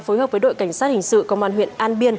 phối hợp với đội cảnh sát hình sự công an huyện an biên